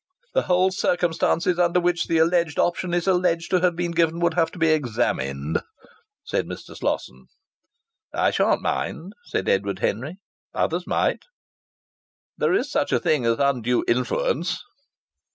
"The whole circumstances under which the alleged option is alleged to have been given would have to be examined," said Mr. Slosson. "I shan't mind," said Edward Henry. "Others might." "There is such a thing as undue influence."